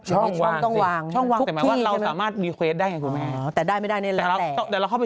ช่องวางสิช่องวางตัวเองมั้ยหรือว่า